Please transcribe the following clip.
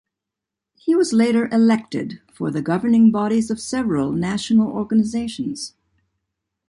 He was later elected for the governing bodies of several national organisations.